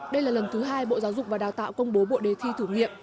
đây là lần thứ hai bộ giáo dục và đào tạo công bố bộ đề thi thử nghiệm